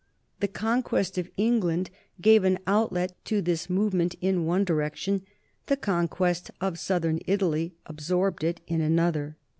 The conquest of England gave an outlet to this movement in one direction; the conquest of southern Italy absorbed it in another.